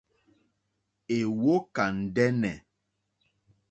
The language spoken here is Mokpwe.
Èwókà ndɛ́nɛ̀.